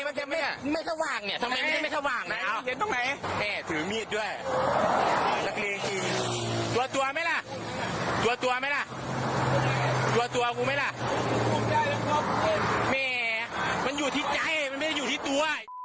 มันอยู่ที่ใจไม่ได้อยู่ที่ตัว